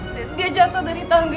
dia jatuh dari tangga